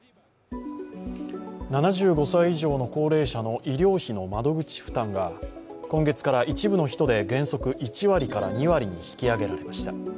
７５歳以上の高齢者の医療費の窓口負担が今月から一部の人で原則１割から２割に引き上げられました。